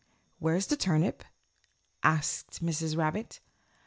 "Where's the turnip?" asked Mrs. Rabbit.